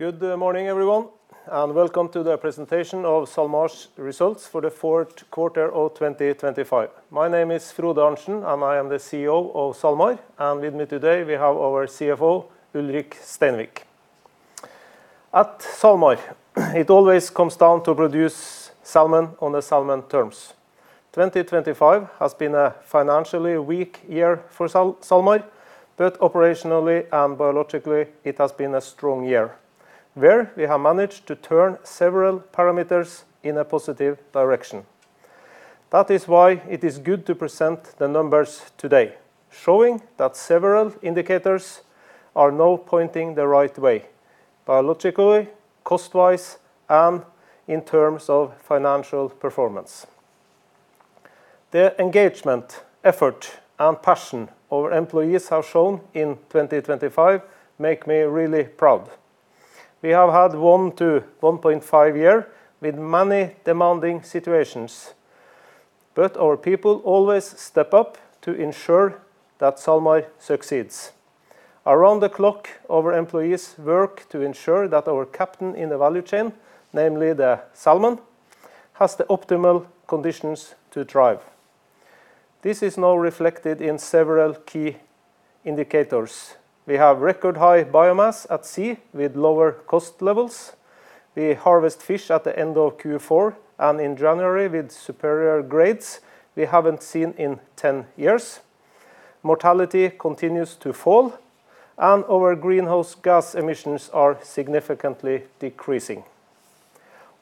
Good morning, everyone, and welcome to the presentation of SalMar's results for the fourth quarter of 2025. My name is Frode Arntsen, and I am the CEO of SalMar, and with me today we have our CFO, Ulrik Steinvik. At SalMar, it always comes down to produce salmon on the salmon terms. 2025 has been a financially weak year for SalMar, but operationally and biologically it has been a strong year, where we have managed to turn several parameters in a positive direction. That is why it is good to present the numbers today, showing that several indicators are now pointing the right way: biologically, cost-wise, and in terms of financial performance. The engagement, effort, and passion our employees have shown in 2025 make me really proud. We have had a 1-1.5 year with many demanding situations, but our people always step up to ensure that SalMar succeeds. Around the clock, our employees work to ensure that our captain in the value chain, namely the salmon, has the optimal conditions to thrive. This is now reflected in several key indicators. We have record-high biomass at sea with lower cost levels. We harvest fish at the end of Q4, and in January, with superior grades we haven't seen in 10 years. Mortality continues to fall, and our greenhouse gas emissions are significantly decreasing.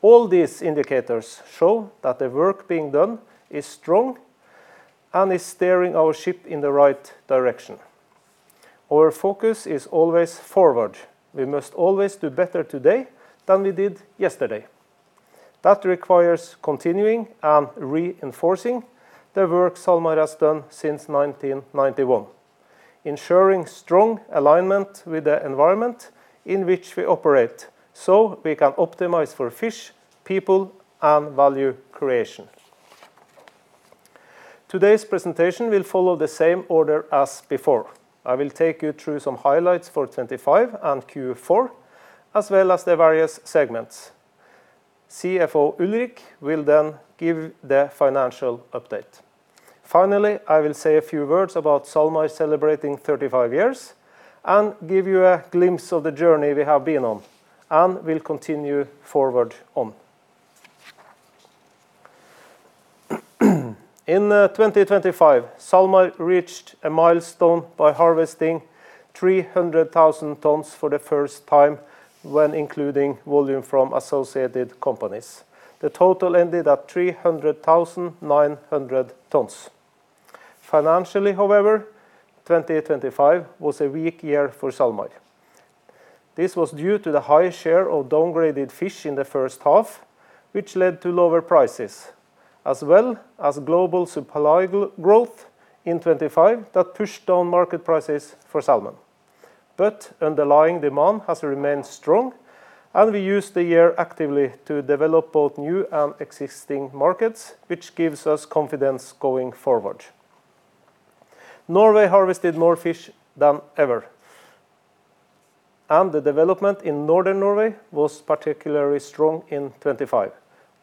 All these indicators show that the work being done is strong and is steering our ship in the right direction. Our focus is always forward. We must always do better today than we did yesterday. That requires continuing and reinforcing the work SalMar has done since 1991: ensuring strong alignment with the environment in which we operate so we can optimize for fish, people, and value creation. Today's presentation will follow the same order as before. I will take you through some highlights for 2025 and Q4, as well as the various segments. CFO Ulrik will then give the financial update. Finally, I will say a few words about SalMar celebrating 35 years and give you a glimpse of the journey we have been on, and we'll continue forward on. In 2025, SalMar reached a milestone by harvesting 300,000 tons for the first time when including volume from associated companies. The total ended at 300,900 tons. Financially, however, 2025 was a weak year for SalMar. This was due to the high share of downgraded fish in the first half, which led to lower prices, as well as global supply growth in 2025 that pushed down market prices for salmon. But underlying demand has remained strong, and we used the year actively to develop both new and existing markets, which gives us confidence going forward. Norway harvested more fish than ever, and the development in Northern Norway was particularly strong in 2025,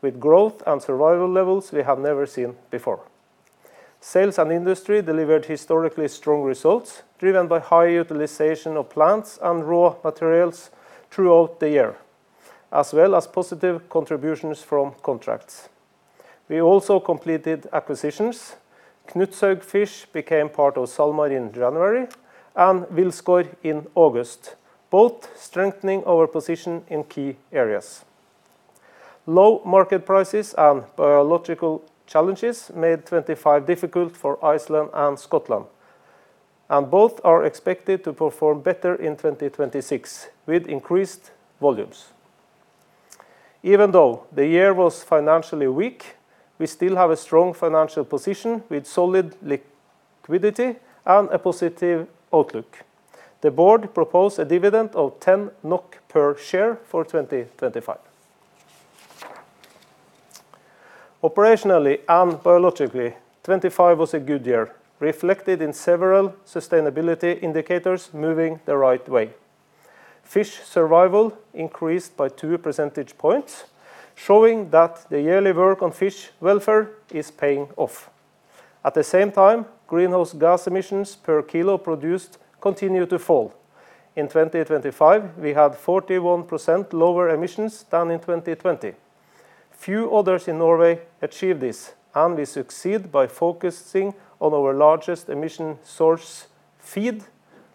with growth and survival levels we have never seen before. Sales and Industry delivered historically strong results driven by high utilization of plants and raw materials throughout the year, as well as positive contributions from contracts. We also completed acquisitions. Knutshaugfisk became part of SalMar in January and Wilsgård in August, both strengthening our position in key areas. Low market prices and biological challenges made 2025 difficult for Iceland and Scotland, and both are expected to perform better in 2026 with increased volumes. Even though the year was financially weak, we still have a strong financial position with solid liquidity and a positive outlook. The board proposed a dividend of 10 NOK per share for 2025. Operationally and biologically, 2025 was a good year, reflected in several sustainability indicators moving the right way. Fish survival increased by two percentage points, showing that the yearly work on fish welfare is paying off. At the same time, greenhouse gas emissions per kilo produced continue to fall. In 2025, we had 41% lower emissions than in 2020. Few others in Norway achieved this, and we succeeded by focusing on our largest emission source feed: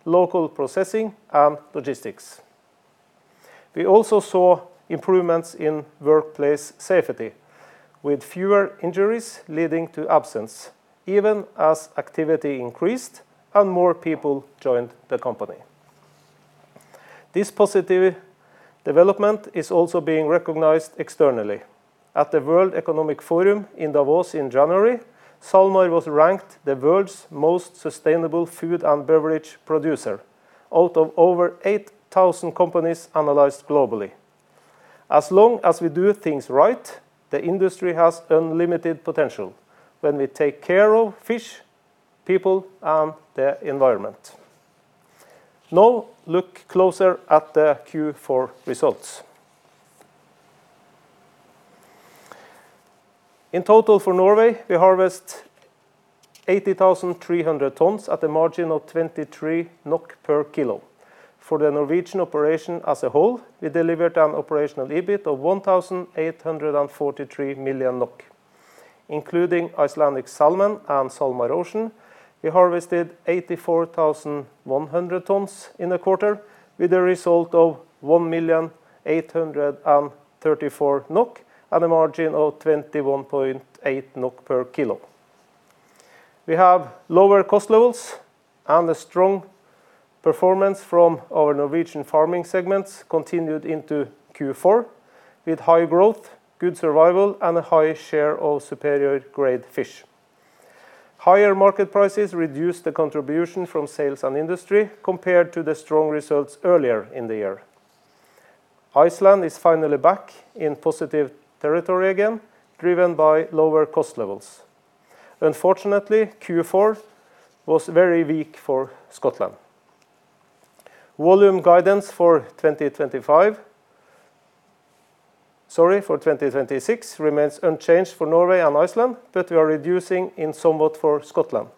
local processing and logistics. We also saw improvements in workplace safety, with fewer injuries leading to absence even as activity increased and more people joined the company. This positive development is also being recognized externally. At the World Economic Forum in Davos in January, SalMar was ranked the world's most sustainable food and beverage producer out of over 8,000 companies analyzed globally. As long as we do things right, the industry has unlimited potential when we take care of fish, people, and the environment. Now, look closer at the Q4 results. In total for Norway, we harvest 80,300 tons at a margin of 23 NOK per kilo. For the Norwegian operation as a whole, we delivered an Operational EBIT of 1,843 million NOK. Including Icelandic Salmon and SalMar Ocean, we harvested 84,100 tons in a quarter with a result of 1,834 NOK and a margin of 21.8 NOK per kilo. We have lower cost levels and a strong performance from our Norwegian farming segments continued into Q4, with high growth, good survival, and a high share of Superior Grade fish. Higher market prices reduced the contribution from Sales and Industry compared to the strong results earlier in the year. Iceland is finally back in positive territory again, driven by lower cost levels. Unfortunately, Q4 was very weak for Scotland. Volume guidance for 2026 remains unchanged for Norway and Iceland, but we are reducing somewhat for Scotland.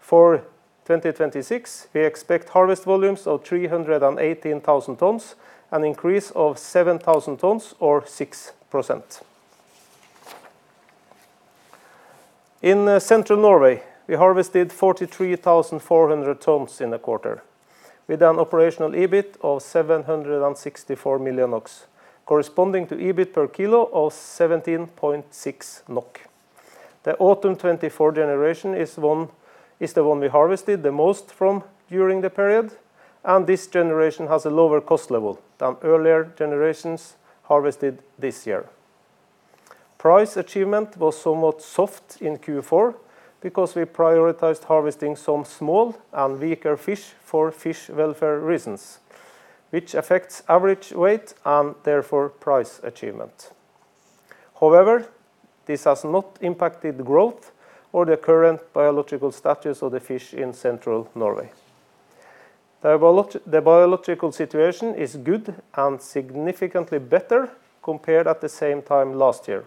For 2026, we expect harvest volumes of 318,000 tons and an increase of 7,000 tons, or 6%. In Central Norway, we harvested 43,400 tons in a quarter with an Operational EBIT of 764 million NOK, corresponding to EBIT per kilo of 17.6 NOK. The Autumn 2024 generation is the one we harvested the most from during the period, and this generation has a lower cost level than earlier generations harvested this year. Price achievement was somewhat soft in Q4 because we prioritized harvesting some small and weaker fish for fish welfare reasons, which affects average weight and therefore price achievement. However, this has not impacted growth or the current biological status of the fish in Central Norway. The biological situation is good and significantly better compared at the same time last year,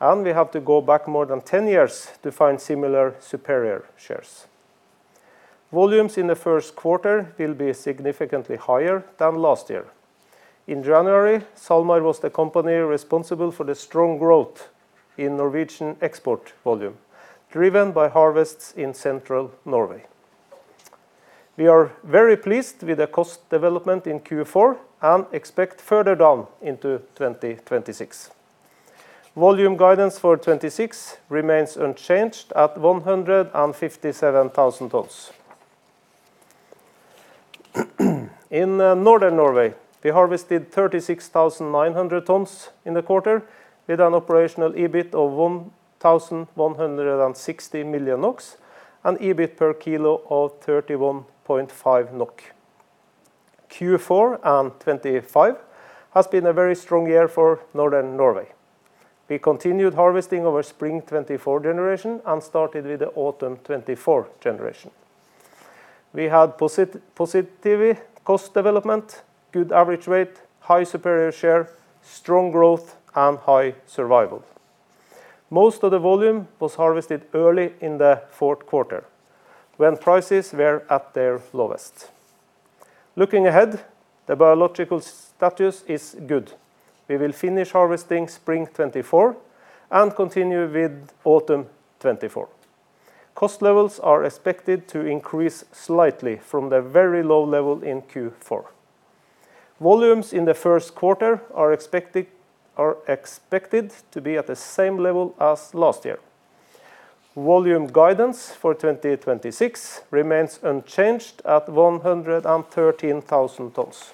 and we have to go back more than 10 years to find similar superior shares. Volumes in the first quarter will be significantly higher than last year. In January, SalMar was the company responsible for the strong growth in Norwegian export volume, driven by harvests in Central Norway. We are very pleased with the cost development in Q4 and expect further down into 2026. Volume guidance for 2026 remains unchanged at 157,000 tons. In Northern Norway, we harvested 36,900 tons in a quarter with an operational EBIT of 1,160 million NOK and EBIT per kilo of 31.5 NOK. Q4 and 2025 have been a very strong year for Northern Norway. We continued harvesting our Spring 2024 generation and started with the Autumn 2024 generation. We had positive cost development, good average weight, high superior share, strong growth, and high survival. Most of the volume was harvested early in the fourth quarter when prices were at their lowest. Looking ahead, the biological status is good. We will finish harvesting Spring 2024 and continue with Autumn 2024. Cost levels are expected to increase slightly from the very low level in Q4. Volumes in the first quarter are expected to be at the same level as last year. Volume guidance for 2026 remains unchanged at 113,000 tons.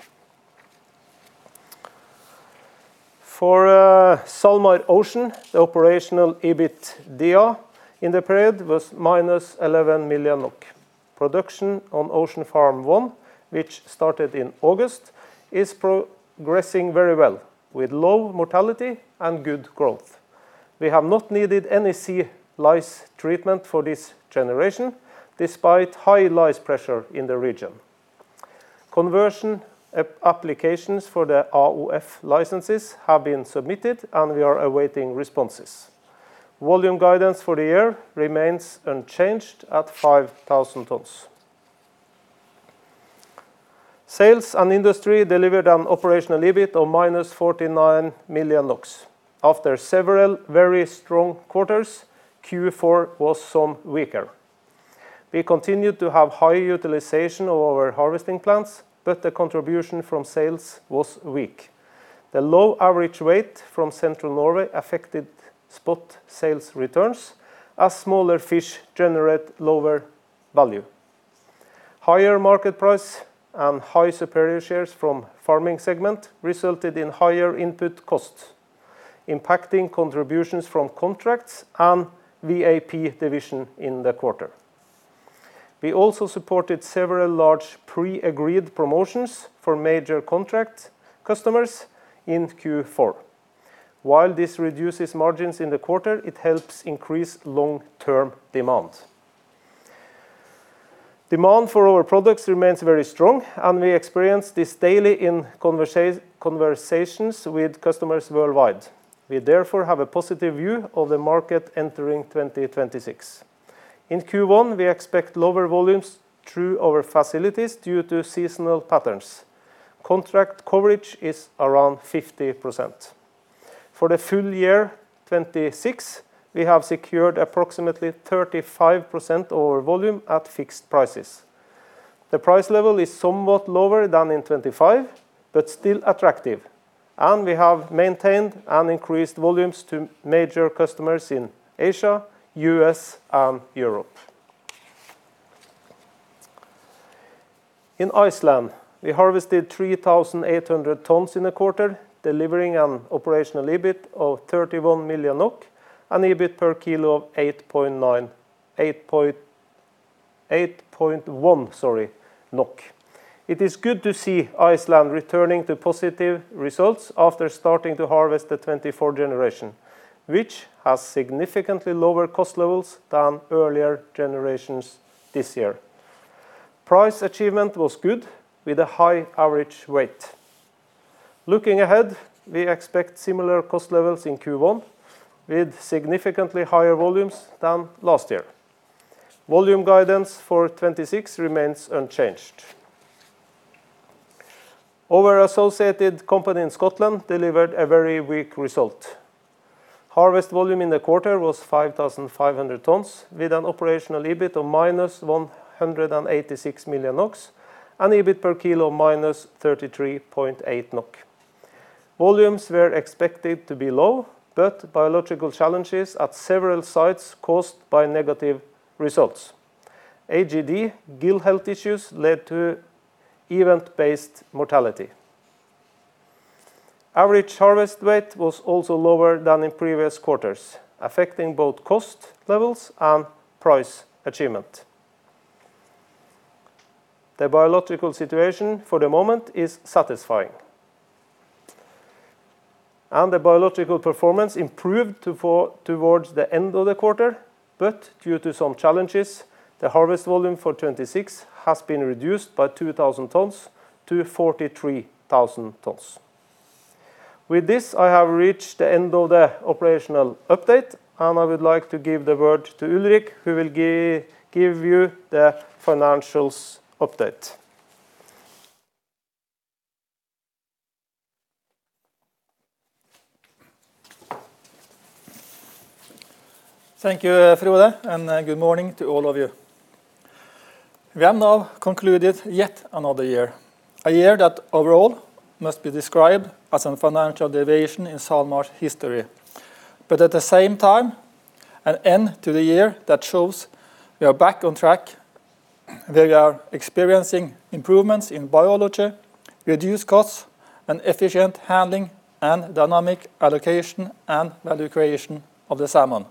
For SalMar Ocean, the operational EBITDA in the period was -11 million. Production on Ocean Farm 1, which started in August, is progressing very well with low mortality and good growth. We have not needed any sea lice treatment for this generation despite high lice pressure in the region. Conversion applications for the AOF licenses have been submitted, and we are awaiting responses. Volume guidance for the year remains unchanged at 5,000 tons. Sales and Industry delivered an operational EBIT of -49 million. After several very strong quarters, Q4 was some weaker. We continued to have high utilization of our harvesting plants, but the contribution from sales was weak. The low average weight from Central Norway affected spot sales returns as smaller fish generated lower value. Higher market price and high superior shares from the farming segment resulted in higher input costs, impacting contributions from contracts and VAP division in the quarter. We also supported several large pre-agreed promotions for major contract customers in Q4. While this reduces margins in the quarter, it helps increase long-term demand. Demand for our products remains very strong, and we experience this daily in conversations with customers worldwide. We therefore have a positive view of the market entering 2026. In Q1, we expect lower volumes through our facilities due to seasonal patterns. Contract coverage is around 50%. For the full year 2026, we have secured approximately 35% of our volume at fixed prices. The price level is somewhat lower than in 2025 but still attractive, and we have maintained and increased volumes to major customers in Asia, the US, and Europe. In Iceland, we harvested 3,800 tons in a quarter, delivering an operational EBIT of 31 million NOK and EBIT per kilo of 8.1 NOK. It is good to see Iceland returning to positive results after starting to harvest the 2024 generation, which has significantly lower cost levels than earlier generations this year. Price achievement was good with a high average weight. Looking ahead, we expect similar cost levels in Q1 with significantly higher volumes than last year. Volume guidance for 2026 remains unchanged. Our associated company in Scotland delivered a very weak result. Harvest volume in the quarter was 5,500 tons with an Operational EBIT of -186 million NOK and EBIT per kilo of -33.8 NOK. Volumes were expected to be low, but biological challenges at several sites caused by negative results. AGD gill health issues led to event-based mortality. Average harvest weight was also lower than in previous quarters, affecting both cost levels and price achievement. The biological situation for the moment is satisfying, and the biological performance improved towards the end of the quarter, but due to some challenges, the harvest volume for 2026 has been reduced by 2,000 tons to 43,000 tons. With this, I have reached the end of the operational update, and I would like to give the word to Ulrik, who will give you the financials update. Thank you, Frode, and good morning to all of you. We have now concluded yet another year, a year that overall must be described as a financial deviation in SalMar's history, but at the same time, an end to the year that shows we are back on track where we are experiencing improvements in biology, reduced costs, and efficient handling and dynamic allocation and value creation of the salmon,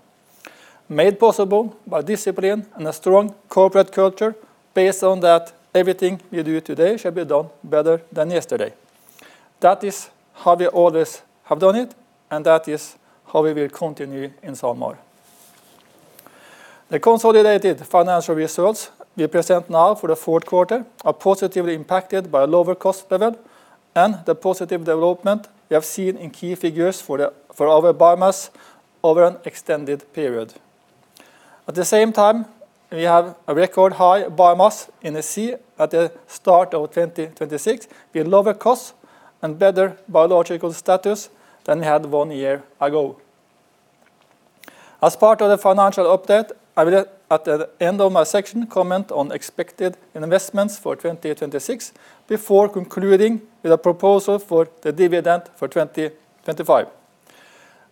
made possible by discipline and a strong corporate culture based on that everything we do today should be done better than yesterday. That is how we always have done it, and that is how we will continue in SalMar. The consolidated financial results we present now for the fourth quarter are positively impacted by a lower cost level and the positive development we have seen in key figures for our biomass over an extended period. At the same time, we have a record high biomass in the sea at the start of 2026 with lower costs and better biological status than we had one year ago. As part of the financial update, I will, at the end of my section, comment on expected investments for 2026 before concluding with a proposal for the dividend for 2025.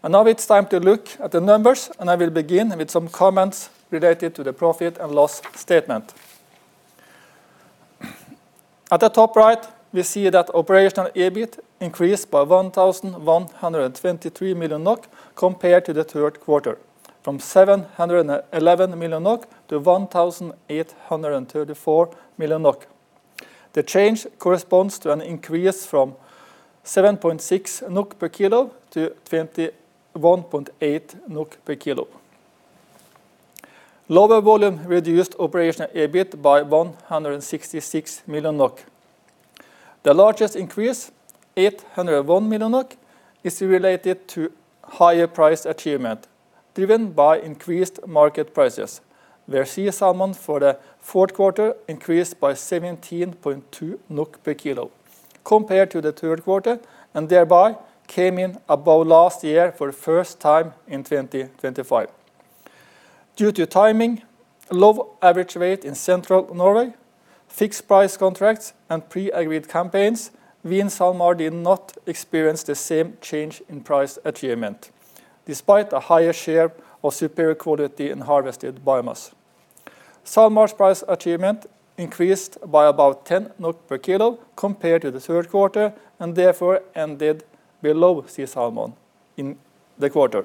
Now it's time to look at the numbers, and I will begin with some comments related to the profit and loss statement. At the top right, we see that operational EBIT increased by 1,123 million NOK compared to the third quarter, from 711 million NOK to 1,834 million NOK. The change corresponds to an increase from 7.6 NOK per kilo to 21.8 NOK per kilo. Lower volume reduced operational EBIT by 166 million NOK. The largest increase, 801 million NOK, is related to higher price achievement driven by increased market prices, where SeeSalmon for the fourth quarter increased by 17.2 NOK per kilo compared to the third quarter and thereby came in above last year for the first time in 2025. Due to timing, low average weight in Central Norway, fixed price contracts, and pre-agreed campaigns, we in SalMar did not experience the same change in price achievement despite a higher share of superior quality in harvested biomass. SalMar's price achievement increased by about 10 NOK per kilo compared to the third quarter and therefore ended below SeeSalmon in the quarter.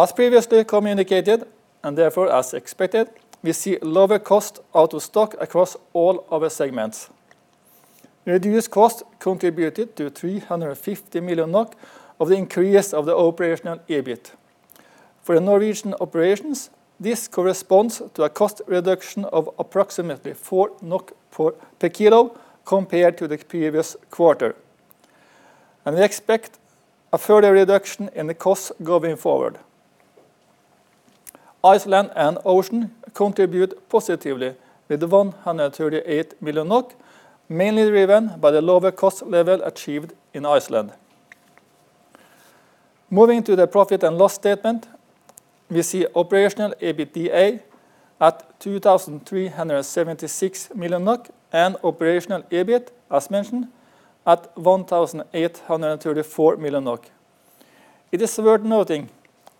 As previously communicated and therefore as expected, we see lower cost out of stock across all our segments. Reduced cost contributed to 350 million NOK of the increase of the Operational EBIT. For Norwegian operations, this corresponds to a cost reduction of approximately 4 NOK per kilo compared to the previous quarter, and we expect a further reduction in the costs going forward. Iceland and Ocean contribute positively with 138 million NOK, mainly driven by the lower cost level achieved in Iceland. Moving to the profit and loss statement, we see operational EBITDA at 2,376 million NOK and operational EBIT, as mentioned, at 1,834 million NOK. It is worth noting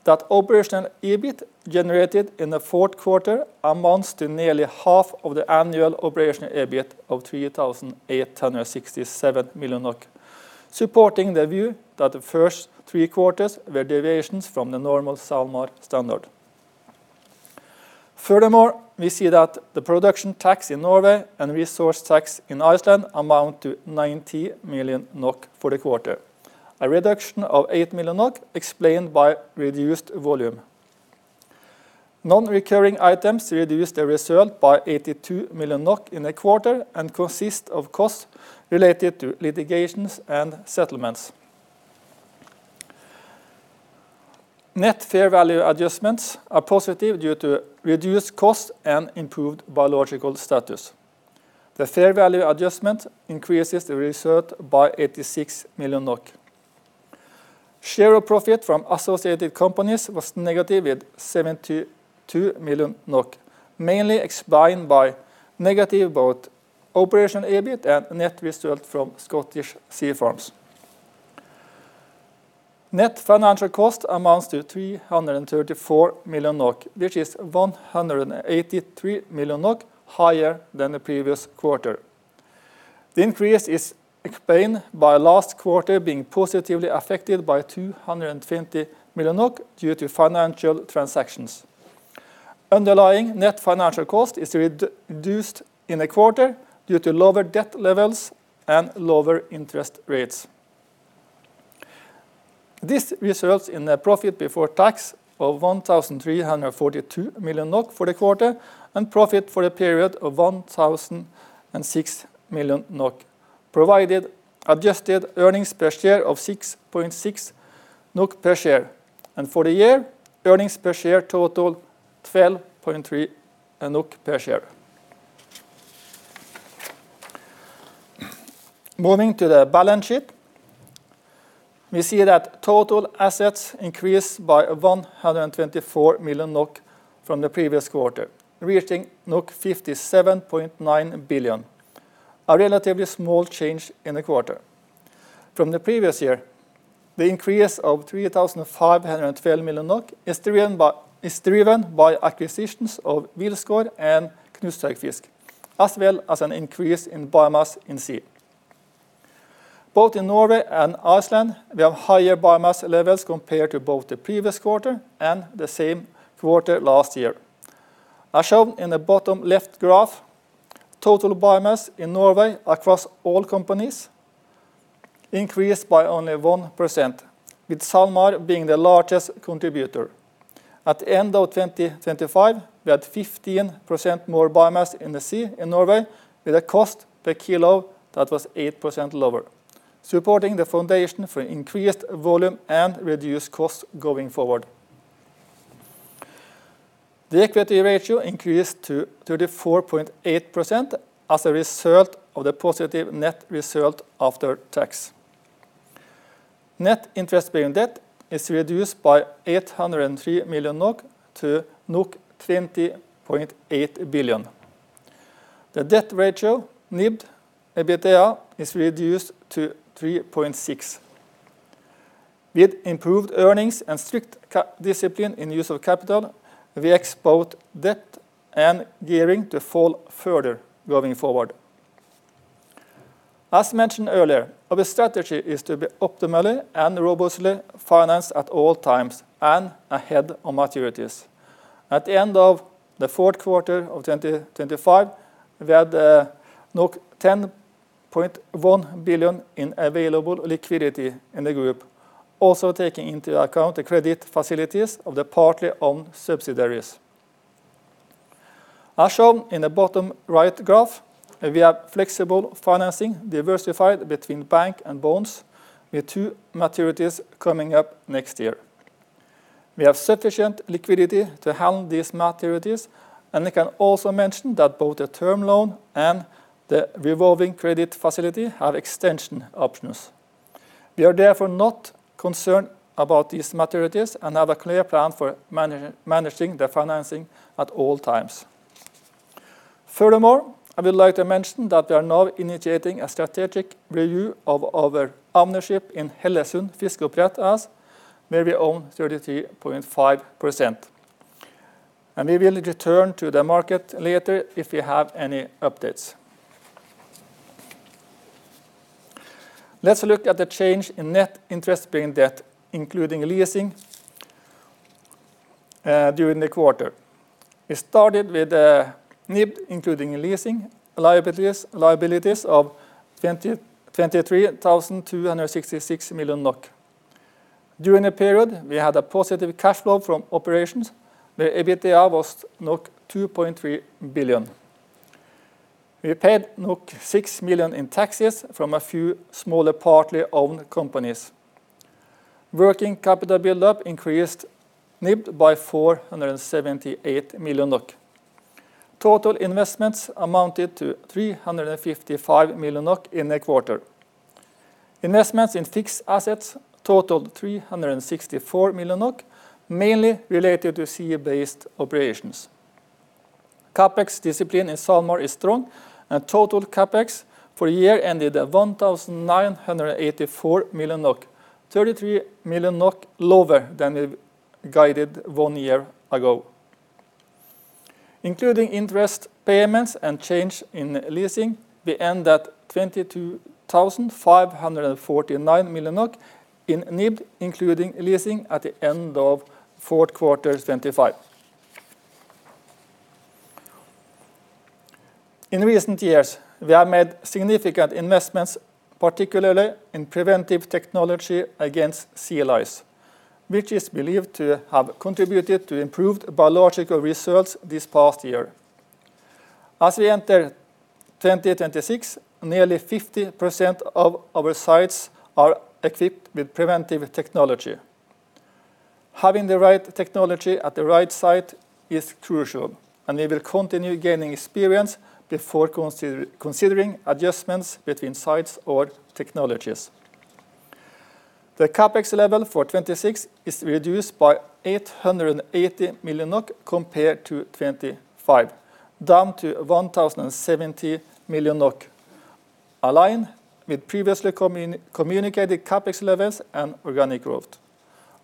that operational EBIT generated in the fourth quarter amounts to nearly half of the annual operational EBIT of 3,867 million, supporting the view that the first three quarters were deviations from the normal SalMar standard. Furthermore, we see that the production tax in Norway and resource tax in Iceland amount to 90 million NOK for the quarter, a reduction of 8 million NOK explained by reduced volume. Non-recurring items reduce their result by 82 million NOK in a quarter and consist of costs related to litigations and settlements. Net fair value adjustments are positive due to reduced costs and improved biological status. The fair value adjustment increases the result by 86 million NOK. Share of profit from associated companies was negative with 72 million NOK, mainly explained by negative both Operational EBIT and net result from Scottish Sea Farms. Net financial cost amounts to 334 million NOK, which is 183 million NOK higher than the previous quarter. The increase is explained by last quarter being positively affected by 220 million due to financial transactions. Underlying net financial cost is reduced in a quarter due to lower debt levels and lower interest rates. This results in a profit before tax of 1,342 million NOK for the quarter and profit for a period of 1,006 million NOK, providing adjusted earnings per share of 6.6 NOK per share, and for the year, earnings per share total 12.3 NOK per share. Moving to the balance sheet, we see that total assets increased by 124 million NOK from the previous quarter, reaching 57.9 billion, a relatively small change in a quarter. From the previous year, the increase of 3,512 million NOK is driven by acquisitions of Wilsgård and Knutshaugfisk, as well as an increase in biomass in sea. Both in Norway and Iceland, we have higher biomass levels compared to both the previous quarter and the same quarter last year. As shown in the bottom left graph, total biomass in Norway across all companies increased by only 1%, with SalMar being the largest contributor. At the end of 2025, we had 15% more biomass in the sea in Norway with a cost per kilo that was 8% lower, supporting the foundation for increased volume and reduced costs going forward. The equity ratio increased to 34.8% as a result of the positive net result after tax. Net interest-bearing debt is reduced by 803 million NOK to 20.8 billion. The debt ratio, NIBD, EBITDA, is reduced to 3.6. With improved earnings and strict discipline in use of capital, we expose debt and gearing to fall further going forward. As mentioned earlier, our strategy is to be optimally and robustly financed at all times and ahead of maturities. At the end of the fourth quarter of 2025, we had 10.1 billion in available liquidity in the group, also taking into account the credit facilities of the partly owned subsidiaries. As shown in the bottom right graph, we have flexible financing diversified between bank and bonds with two maturities coming up next year. We have sufficient liquidity to handle these maturities, and I can also mention that both the term loan and the revolving credit facility have extension options. We are therefore not concerned about these maturities and have a clear plan for managing the financing at all times. Furthermore, I would like to mention that we are now initiating a strategic review of our ownership in Hellesund Fiskeoppdrett, where we own 33.5%. We will return to the market later if we have any updates. Let's look at the change in net interest-bearing debt, including leasing, during the quarter. It started with NIBD, including leasing liabilities, of 23,266 million NOK. During the period, we had a positive cash flow from operations, where EBITDA was 2.3 billion. We paid 6 million in taxes from a few smaller partly owned companies. Working capital buildup increased NIBD by 478 million NOK. Total investments amounted to 355 million NOK in a quarter. Investments in fixed assets totaled 364 million NOK, mainly related to sea-based operations. CapEx discipline in SalMar is strong, and total CapEx for the year ended at 1,984 million NOK, 33 million NOK lower than we guided one year ago. Including interest payments and change in leasing, we ended at 22,549 million NOK in NIBD, including leasing, at the end of fourth quarter 2025. In recent years, we have made significant investments, particularly in preventive technology against sea lice, which is believed to have contributed to improved biological results this past year. As we enter 2026, nearly 50% of our sites are equipped with preventive technology. Having the right technology at the right site is crucial, and we will continue gaining experience before considering adjustments between sites or technologies. The CapEx level for 2026 is reduced by 880 million NOK compared to 2025, down to 1,070 million NOK, aligned with previously communicated CapEx levels and organic growth.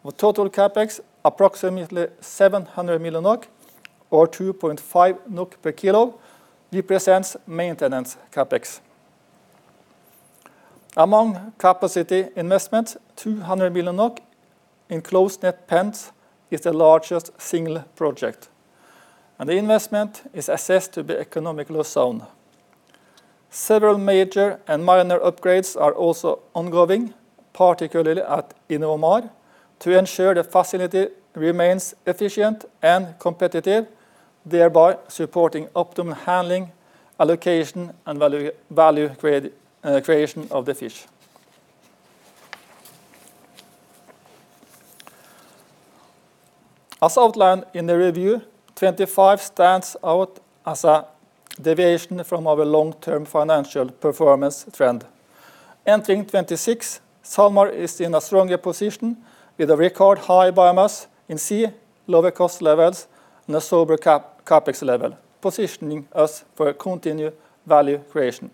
With total CapEx approximately 700 million NOK or 2.5 NOK per kilo, we present maintenance CapEx. Among capacity investments, 200 million NOK in closed-net pens is the largest single project, and the investment is assessed to be economically sound. Several major and minor upgrades are also ongoing, particularly at InnovaMar, to ensure the facility remains efficient and competitive, thereby supporting optimal handling, allocation, and value creation of the fish. As outlined in the review, 2025 stands out as a deviation from our long-term financial performance trend. Entering 2026, SalMar is in a stronger position with a record high biomass in sea, lower cost levels, and a sober CapEx level, positioning us for continued value creation.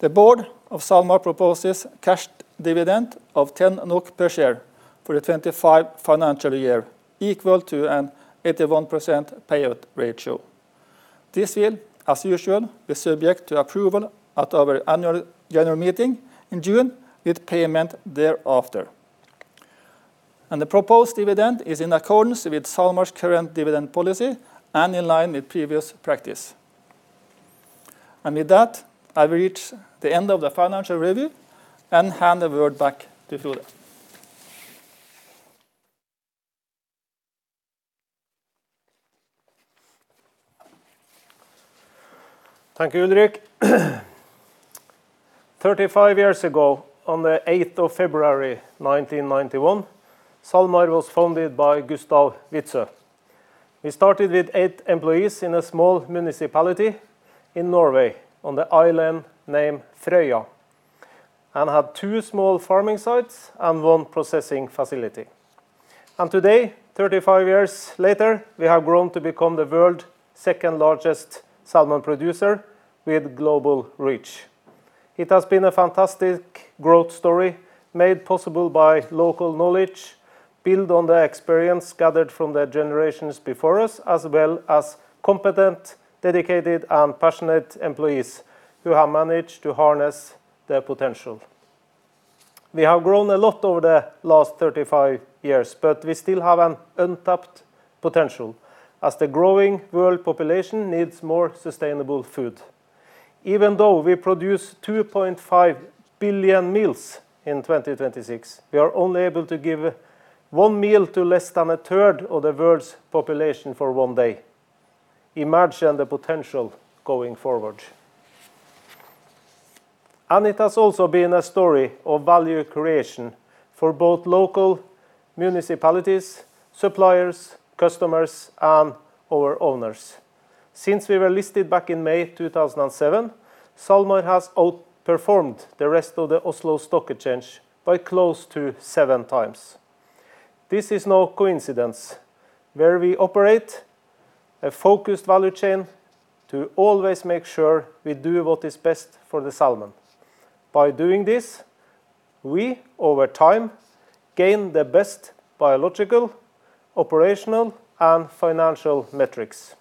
The board of SalMar proposes cash dividend of 10 NOK per share for the 2025 financial year, equal to an 81% payout ratio. This will, as usual, be subject to approval at our annual general meeting in June with payment thereafter. The proposed dividend is in accordance with SalMar's current dividend policy and in line with previous practice. With that, I will reach the end of the financial review and hand the word back to Frode. Thank you, Ulrik. 35 years ago, on the 8th of February 1991, SalMar was founded by Gustav Witzøe. We started with eight employees in a small municipality in Norway on the island named Frøya and had two small farming sites and one processing facility. And today, 35 years later, we have grown to become the world's second-largest salmon producer with global reach. It has been a fantastic growth story made possible by local knowledge, built on the experience gathered from the generations before us, as well as competent, dedicated, and passionate employees who have managed to harness their potential. We have grown a lot over the last 35 years, but we still have an untapped potential as the growing world population needs more sustainable food. Even though we produce 2.5 billion meals in 2026, we are only able to give one meal to less than a third of the world's population for one day. Imagine the potential going forward. It has also been a story of value creation for both local municipalities, suppliers, customers, and our owners. Since we were listed back in May 2007, SalMar has outperformed the rest of the Oslo Stock Exchange by close to seven times. This is no coincidence. Where we operate, a focused value chain to always make sure we do what is best for the salmon. By doing this, we, over time, gain the best biological, operational, and financial metrics.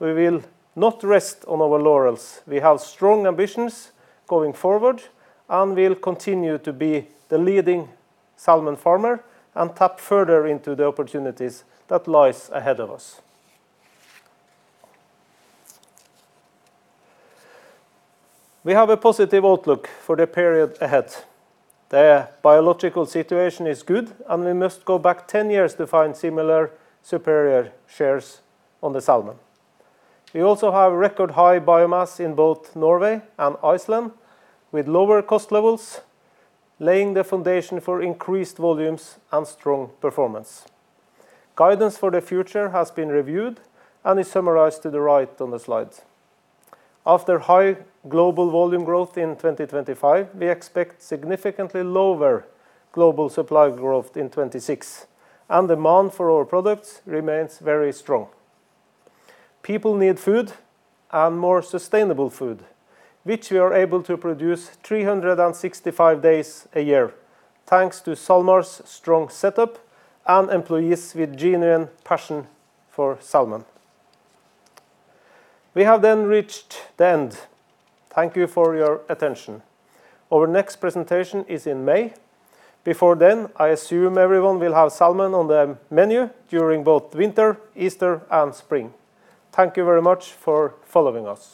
We will not rest on our laurels. We have strong ambitions going forward and will continue to be the leading salmon farmer and tap further into the opportunities that lie ahead of us. We have a positive outlook for the period ahead. The biological situation is good, and we must go back 10 years to find similar, superior grades of the salmon. We also have record high biomass in both Norway and Iceland, with lower cost levels laying the foundation for increased volumes and strong performance. Guidance for the future has been reviewed and is summarized to the right on the slides. After high global volume growth in 2025, we expect significantly lower global supply growth in 2026, and demand for our products remains very strong. People need food and more sustainable food, which we are able to produce 365 days a year thanks to SalMar's strong setup and employees with genuine passion for salmon. We have then reached the end. Thank you for your attention. Our next presentation is in May. Before then, I assume everyone will have salmon on the menu during both winter, Easter, and spring. Thank you very much for following us.